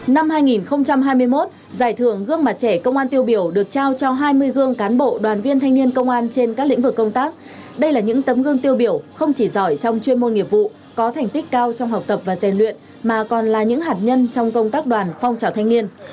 năm hai nghìn hai mươi một giải thưởng gương mặt trẻ công an tiêu biểu được trao cho hai mươi gương cán bộ đoàn viên thanh niên công an trên các lĩnh vực công tác đây là những tấm gương tiêu biểu không chỉ giỏi trong chuyên môn nghiệp vụ có thành tích cao trong học tập và rèn luyện mà còn là những hạt nhân trong công tác đoàn phong trào thanh niên